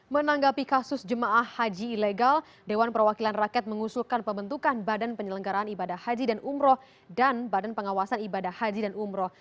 menanggapi kasus jemaah haji ilegal dewan perwakilan rakyat mengusulkan pembentukan badan penyelenggaraan ibadah haji dan umroh dan badan pengawasan ibadah haji dan umroh